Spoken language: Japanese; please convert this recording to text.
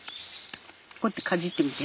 こうやってかじってみて。